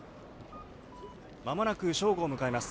まもなく正午を迎えます。